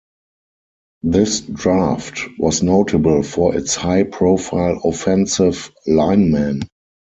This draft was notable for its high-profile offensive linemen.